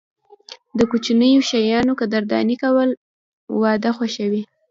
د کوچنیو شیانو قدرداني کول، واده خوښوي.